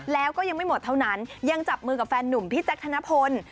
แล้วก็ยังไม่หมดเท่านั้นยังจับมือกับแฟนหนุ่มพี่แจ๊คธนพล